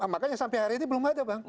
makanya sampai hari ini belum ada bang